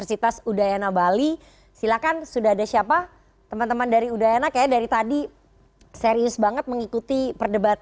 itu memang yang saya tanyakan adalah